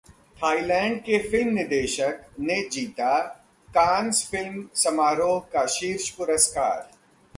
Thailand के film निदेशक ने जीता कान फिल्म समारोह का शीर्ष पुरस्कार